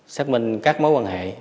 xác minh các mối quan hệ